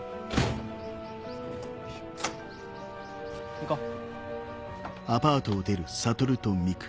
行こう。